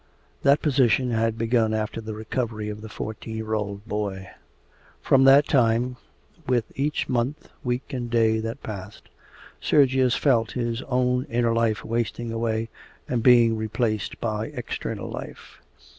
That position had begun after the recovery of the fourteen year old boy. From that time, with each month, week, and day that passed, Sergius felt his own inner life wasting away and being replaced by external life.